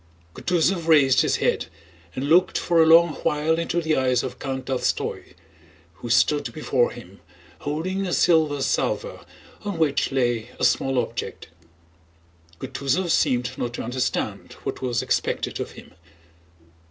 Kutúzov raised his head and looked for a long while into the eyes of Count Tolstóy, who stood before him holding a silver salver on which lay a small object. Kutúzov seemed not to understand what was expected of him.